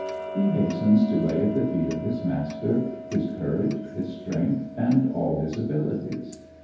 He hastens to lay at the feet of his master his courage, his strength, and all his abilities.